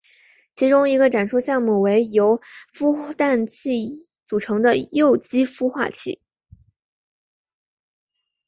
其中一个展出项目为由孵蛋器组成的幼鸡孵化器。